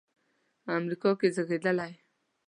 امریکا کې زېږېدلی.